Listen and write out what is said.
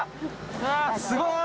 すごい。